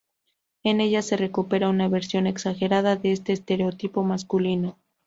En ellas, se recupera una versión exagerada de este estereotipo masculino.